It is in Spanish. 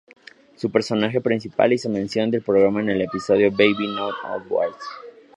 Su personaje principal hizo mención del programa en el episodio "Baby Not on Board".